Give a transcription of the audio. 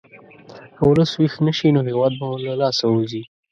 که ولس ویښ نه شي، نو هېواد به مو له لاسه ووځي.